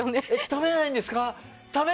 食べないんですか？